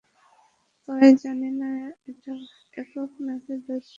তয়, জানি না এটা একক, নাকি দ্বৈত বিয়ে হবে।